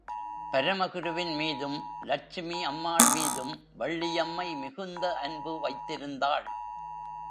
பரமகுருவின் மீதும், லட்சுமி அம்மாள் மீதும் வள்ளியம்மை மிகுந்த அன்பு வைத்திருந்தாள்.